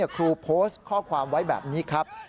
ครูโพสต์ข้อความไว้แบบนี้ครับ